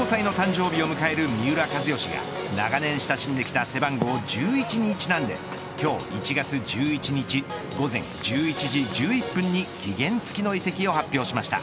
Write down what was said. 来月５５歳の誕生日を迎える三浦知良が長年親しんできた背番号１１にちなんで今日、１月１１日午前１１時１１分に期限付きの移籍を発表しました。